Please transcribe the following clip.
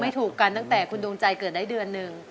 ถูกกันตั้งแต่คุณดวงใจเกิดได้เดือนหนึ่ง